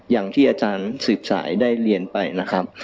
อย่างที่อาจารย์สืบสายได้เรียนไปนะครับ